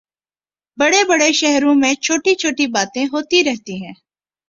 بڑے بڑے شہروں میں چھوٹی چھوٹی باتیں ہوتی رہتی ہیں